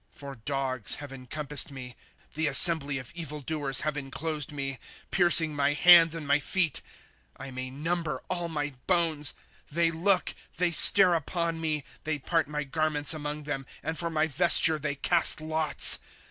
" For dogs have encompassed me ; The assembly of evil doers have inclosed me, Piercing my hands and my feet. " I may number all my bones ; They looli, they stare upon me. ^^ They part my garments among them. And for my vesture they cast lots.